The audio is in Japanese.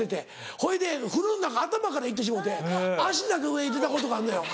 ほいで風呂の中頭から行ってしもうて足だけ上に出たことがあんのよ。